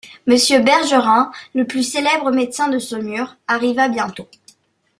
Monsieur Bergerin, le plus célèbre médecin de Saumur, arriva bientôt.